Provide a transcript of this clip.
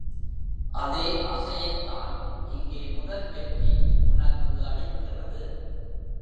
அதே ஆசையைத்தான் இங்கே முதல் வெற்றி உனக்கு அளிக்கிறது.